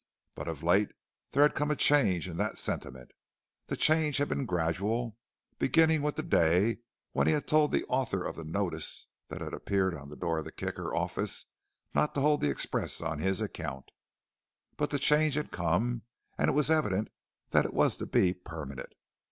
But of late there had come a change in that sentiment. The change had been gradual, beginning with the day when he had told the author of the notice that had appeared on the door of the Kicker office not to hold the express on his account. But the change had come and it was evident that it was to be permanent.